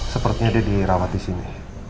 sepertinya dia dirawat di sini